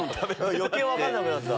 余計分かんなくなった。